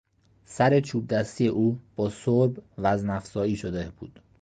سر چوبدستی او با سرب وزن افزایی شده بود.